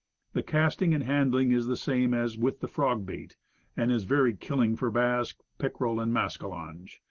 The casting and handling is the same as with the frog bait, and it is very killing for bass, pickerel, and mascalonge.